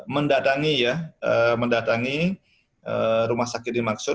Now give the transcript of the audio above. mendatangi rumah sakit dimaksud